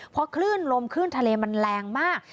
เพราะคลื่นลมคลื่นทะเลมันแรงมาก